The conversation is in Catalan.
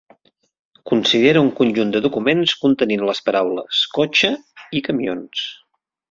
Considera un conjunt de documents contenint les paraules "cotxes" i "camions".